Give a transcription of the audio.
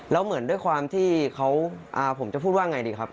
แล้วเหมือนด้วยความที่ผมจะพูดว่าไงดีครับ